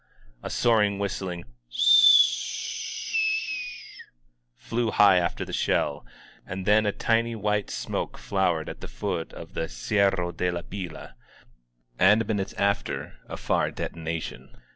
A soaring whistling Pi i i e e eeuu ! flew high after the shell, and then a tiny white smoke flow* ered at the foot of the Cerro de la Fila — and, minutes after, a far detonation.